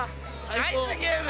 ナイスゲーム。